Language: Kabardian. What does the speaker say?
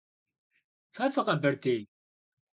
Fe fıkheberdêy?